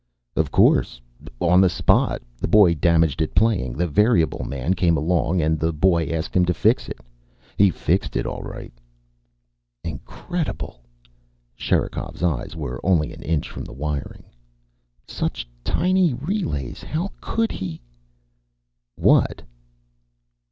"Of course. On the spot. The boy damaged it playing. The variable man came along and the boy asked him to fix it. He fixed it, all right." "Incredible." Sherikov's eyes were only an inch from the wiring. "Such tiny relays. How could he " "What?"